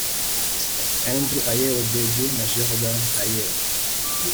Andre Ayew Dede na Jordan Ayew